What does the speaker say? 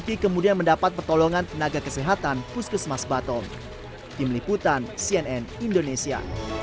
ki kemudian mendapat pertolongan tenaga kesehatan puskesmas baton tim liputan cnn indonesia